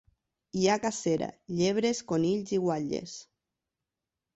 Hi ha cacera: llebres, conills i guatlles.